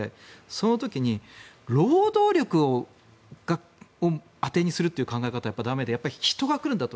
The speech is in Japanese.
その時に労働力を当てにするっていう考え方は駄目で人が来るんだと。